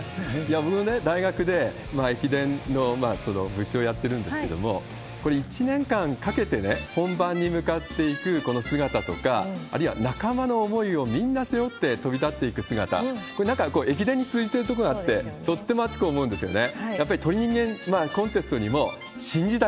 僕もね、大学で駅伝の部長やってるんですけれども、これ、１年間かけて本番に向かっていくこの姿とか、あるいは仲間の思いをみんな背負って飛び立っていく姿、これ、なんか駅伝に通じてるところがあって、とっても熱く思うんですよね。